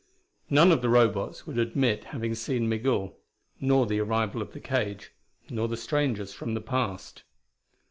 None of the Robots would admit having seen Migul; nor the arrival of the cage; nor the strangers from the past.